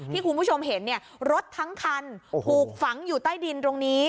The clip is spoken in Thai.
ที่คุณผู้ชมเห็นเนี่ยรถทั้งคันถูกฝังอยู่ใต้ดินตรงนี้